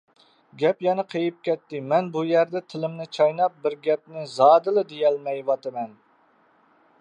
گەپ يەنە قېيىپ كەتتى، مەن بۇ يەردە تىلىمنى چايناپ بىر گەپنى زادىلا دېيەلمەيۋاتىمەن.